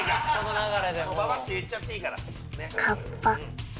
ばばっといっちゃっていいから。